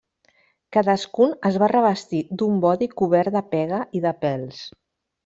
Cadascun es va revestir d'un bodi cobert de pega i de pèls.